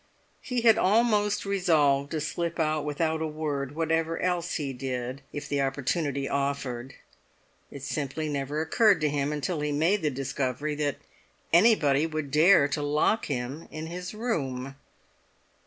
He had almost resolved to slip out without a word, whatever else he did, if the opportunity offered. It simply never occurred to him, until he made the discovery, that anybody would dare to lock him in his room!